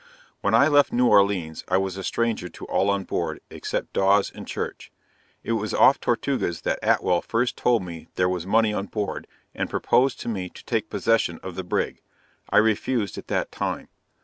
When I left New Orleans, I was a stranger to all on board, except Dawes and Church. It was off Tortugas that Atwell first told me there was money on board, and proposed to me to take possession of the brig. I refused at that time.